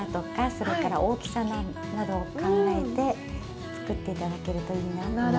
それから大きさなどを考えて作っていただけるといいなと思います。